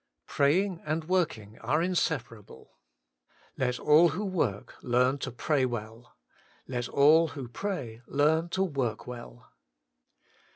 Praying and working are inseparable. Let all who work learn to pray well. Let all who pray learn to work well.